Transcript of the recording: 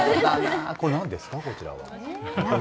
これ、何ですか、こちらは。